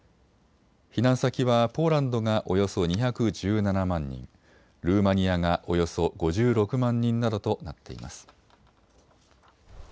避難先はポーランドがおよそ２１７万人、ルーマニアがおよそ５６万人などとなっています。